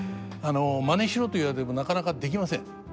「まねしろ」と言われてもなかなかできません。